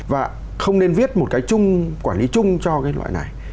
và không nên viết một cái chung quản lý chung cho cái loại này